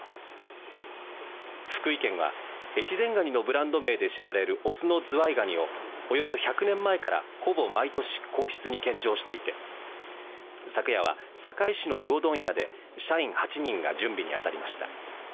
福井県は越前がにのブランド名で知られる雄のズワイガニをおよそ１００年前からほぼ毎年、皇室に献上していて昨夜は坂井市の魚問屋で社員８人が準備に当たりました。